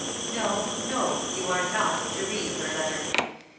"No, no; you are not to read her letter."